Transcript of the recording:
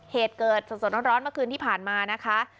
เหตุเกิดสดร้อนเมื่อคืนที่ผ่านมานะคะ